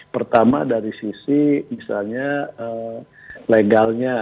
pertama dari sisi misalnya legalnya